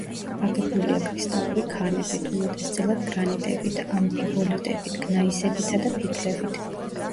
აგებულია კრისტალური ქანებით, უმეტესწილად გრანიტებით, ამფიბოლიტებით, გნაისებითა და ფიქლებით.